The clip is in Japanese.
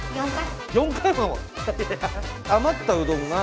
４回も！？